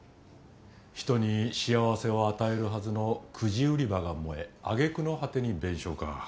人に幸せを与えるはずのくじ売り場が燃えあげくの果てに弁償か。